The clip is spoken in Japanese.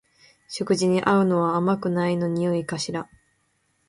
食事に合うのは甘くないのにおいしいから